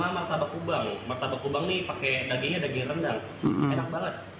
martabak kubang martabak kubang nih pakai dagingnya daging rendang enak banget